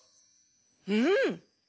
うん。